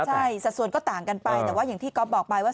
ใช่สัดส่วนก็ต่างกันไปแต่ว่าอย่างที่ก๊อฟบอกไปว่า